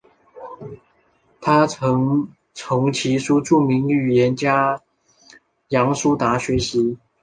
他曾从其叔著名语言学家杨树达学习。